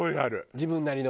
自分なりの。